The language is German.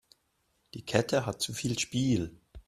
Die Kette hat zu viel Spiel.